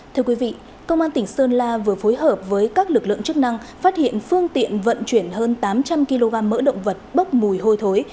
thưa quý vị công an tỉnh sơn la vừa phối hợp với các lực lượng chức năng phát hiện phương tiện vận chuyển hơn tám trăm linh kg mỡ động vật bốc mùi hôi thối